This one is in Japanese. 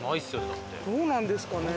どうなんですかね？